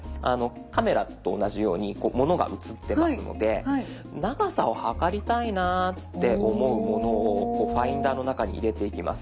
カメラと同じようにものが写ってますので長さを測りたいなって思うものをファインダーの中に入れていきます。